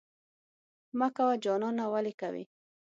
مه کوه جانانه ولې کوې؟